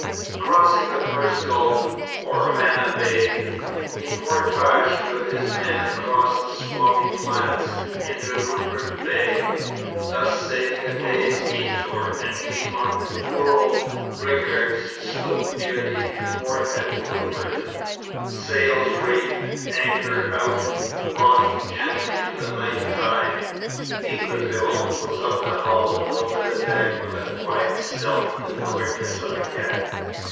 Crossing the first gulf or Hannah Bay, he portaged with his men across the swampy flats into Rupert Bay, thus saving a day's detour, and came on poor old Bridgar's sloop near the fort at Rupert, sails reefed, anchor out, rocking gently to the night tide. D'Iberville was up the hull and over the deck with the quiet stealth and quickness of a cat.